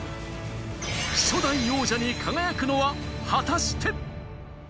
初代王者に輝くのは果たして。